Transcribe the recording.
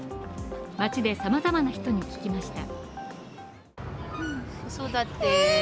街でさまざまな人に聞きました。